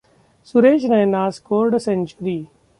Suresh Raina scored a century.